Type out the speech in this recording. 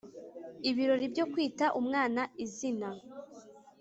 Ibirori byokwita umwana izina